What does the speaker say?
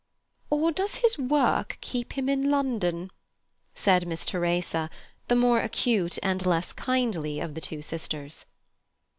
"Or does his work keep him in London?" said Miss Teresa, the more acute and less kindly of the two sisters.